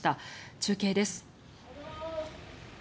中継です。